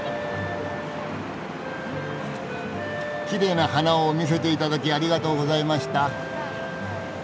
きれいな花を見せていただきありがとうございました。